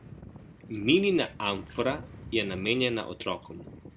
Minina amfora je namenjena otrokom.